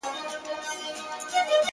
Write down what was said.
له امیانو څه ګیله ده له مُلا څخه لار ورکه-